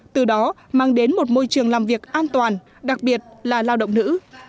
từ đó mang đến một môi trường làm việc an toàn đặc biệt là lao động nữ